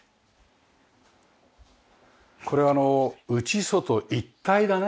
これあの内外一体だね。